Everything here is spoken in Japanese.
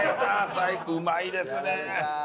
うまいですね。